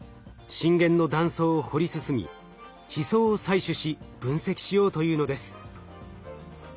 震源の断層を掘り進み地層を採取し分析しようというのです。